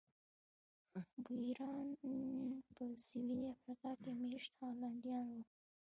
بویران په سوېلي افریقا کې مېشت هالنډیان وو.